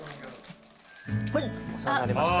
お世話になりました。